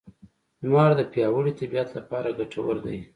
لمر د پیاوړې طبیعت لپاره ګټور دی.